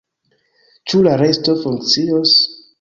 Ĉu la resto funkcios?